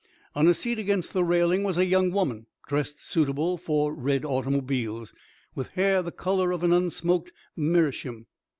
On a seat against the railing was a young woman dressed suitable for red automobiles, with hair the colour of an unsmoked meerschaum.